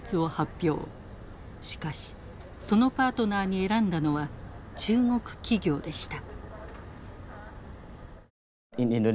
しかしそのパートナーに選んだのは中国企業でした。